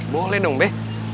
boleh dong be